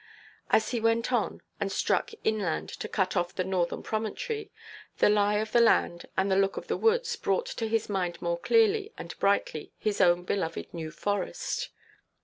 As he went on, and struck inland to cut off the northern promontory, the lie of the land and the look of the woods brought to his mind more clearly and brightly his own beloved New Forest.